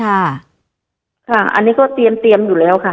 ค่ะค่ะอันนี้ก็เตรียมอยู่แล้วค่ะ